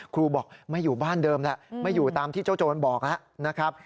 ครูบอกไม่อยู่บ้านเดิมแล้วไม่อยู่ตามที่เจ้าโจรบอกแล้วนะครับ